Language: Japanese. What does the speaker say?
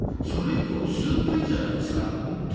それ以降ずっといいじゃないですか。